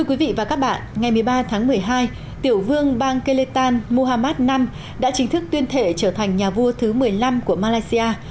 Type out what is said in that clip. ngày một mươi ba tháng một mươi hai tiểu vương bang keletan muhammad v đã chính thức tuyên thệ trở thành nhà vua thứ một mươi năm của malaysia